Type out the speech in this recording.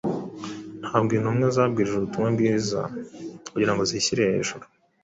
Ntabwo intumwa zabwirije ubutumwa bwiza kugira ngo zishyire hejuru.